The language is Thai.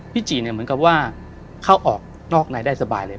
จีเนี่ยเหมือนกับว่าเข้าออกนอกในได้สบายเลย